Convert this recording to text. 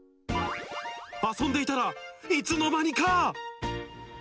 遊んでいたらいつの間にか。